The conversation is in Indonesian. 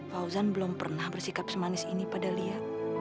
fauzan belum pernah bersikap semanis ini pada lia